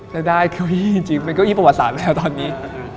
ได้เก้าอี้จริงเป็นเก้าอี้ประวัติศาสตร์แล้วตอนนี้